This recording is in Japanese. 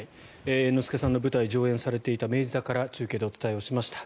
猿之助さんの舞台が上演されていた明治座から中継でお伝えしました。